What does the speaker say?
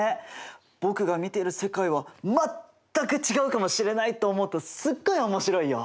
僕が見ている世界は全く違うかもしれないと思うとすっごい面白いよ！